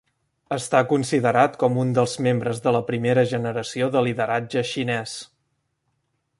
Està considerat com un dels membres de la primera generació de lideratge xinès.